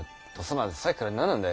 まさっきから何なんだい。